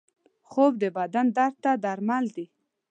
خوب د بدن درد ته درمل دی